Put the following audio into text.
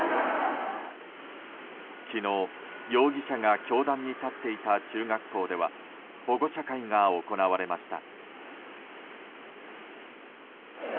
昨日、容疑者が教壇に立っていた中学校では保護者会が行われました。